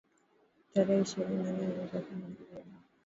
tarehe ishirini na nne mwezi wa kumi na mbili